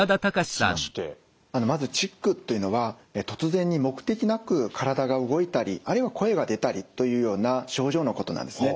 まずチックというのは突然に目的なく体が動いたりあるいは声が出たりというような症状のことなんですね。